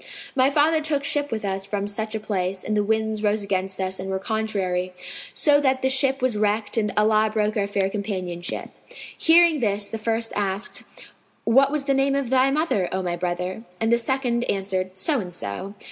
My father took ship with us from such a place, and the winds rose against us and were contrary, so that the ship was wrecked and Allah broke our fair companionship." Hearing this the first asked, "What was the name of thy mother, O my brother?"; and the second answered, "So and so."